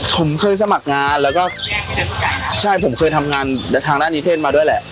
ผมเคยสมัครงานแล้วก็ใช่ผมเคยทำงานทางด้านนิเทศมาด้วยแหละ